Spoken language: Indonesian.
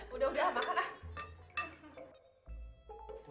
udah udah makan lah